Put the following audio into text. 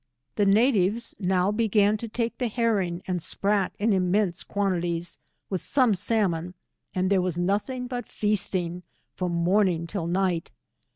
The natives now began to take the herring and sprat in immense quantities, with some s^almon, and there was nothing tut feasting from morning till night.